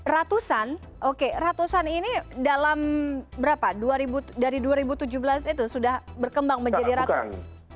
ratusan oke ratusan ini dalam berapa dari dua ribu tujuh belas itu sudah berkembang menjadi ratusan